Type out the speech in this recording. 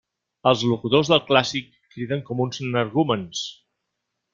Els locutors del clàssic criden com uns energúmens.